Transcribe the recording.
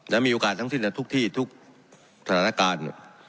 แล้วมีโอกาสทั้งสิ้นทั้งทุกที่ทุกธนาการ